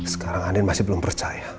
sekarang andin masih belum percaya